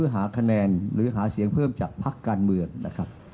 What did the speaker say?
หาคะแนนหรือหาเสียงเพิ่มจากพักการเมืองนะครับ